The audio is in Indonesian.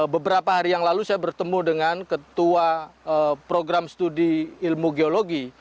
beberapa hari yang lalu saya bertemu dengan ketua program studi ilmu geologi